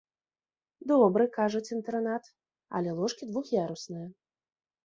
Добры, кажуць, інтэрнат, але ложкі двух'ярусныя.